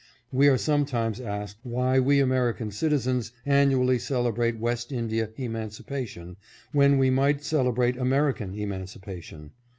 We are sometimes asked why we American citizens an nually celebrate West India emancipation when we might celebrate American emancipation.